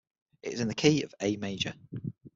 It is in the key of A major.